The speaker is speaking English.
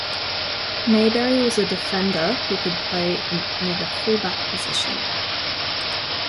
Maybury was a defender, who could play in either full back position.